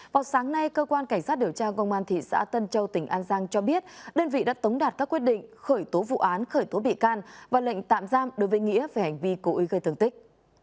vào sáng nay cơ quan cảnh sát điều tra công an tp hcm cho biết đơn vị đã tống đạt các quyết định khởi tố vụ án khởi tố bị can và lệnh tạm giam đối với nghĩa về hành vi cố ý gây thương tích